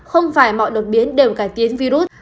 không phải mọi đột biến đều cải tiến virus